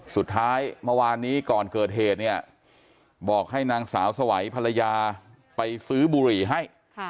สุดท้ายเมื่อวานนี้ก่อนเกิดเหตุเนี่ยบอกให้นางสาวสวัยภรรยาไปซื้อบุหรี่ให้